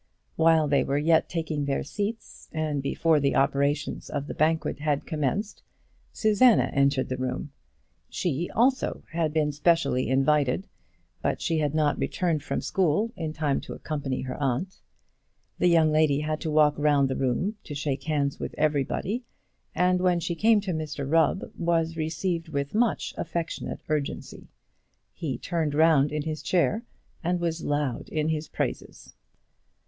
While they were yet taking their seats, and before the operations of the banquet had commenced, Susanna entered the room. She also had been specially invited, but she had not returned from school in time to accompany her aunt. The young lady had to walk round the room to shake hands with everybody, and when she came to Mr Rubb, was received with much affectionate urgency. He turned round in his chair and was loud in his praises.